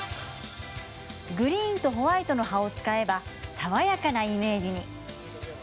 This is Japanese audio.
グリーンとホワイトの葉を使えば爽やかなイメージに。